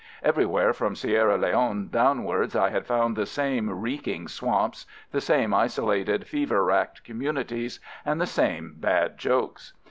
Everywhere from Sierra Leone downwards I had found the same reeking swamps, the same isolated fever racked communities and the same bad jokes.